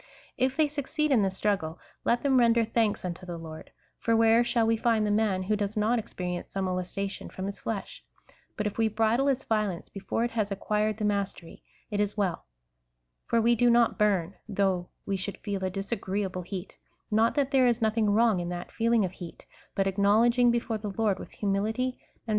If they succeed in this struggle, let them render thanks unto the Lord, for where shall we find the man who does not ex perience some molestation from his flesh ? but if we bridle its violence, before it has acquired the mastery, it is well. For we do not burn, though we should feel a disagreeable heat — not that there is nothing wrong in that feeling of heat, but acknowledging before the Lord, Avitli humility and '" Vn sophisme plus que puerile;" — "A worse than childish sophism."